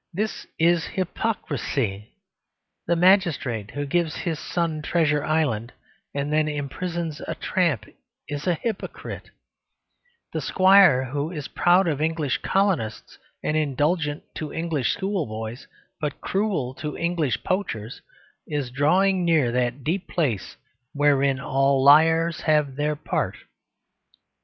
This is hypocrisy: the magistrate who gives his son "Treasure Island" and then imprisons a tramp is a hypocrite; the squire who is proud of English colonists and indulgent to English schoolboys, but cruel to English poachers, is drawing near that deep place wherein all liars have their part.